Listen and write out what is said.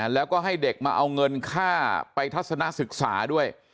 แล้วก็ให้เด็กมาเอาเงินค่าไปทัศนะศึกษาด้วย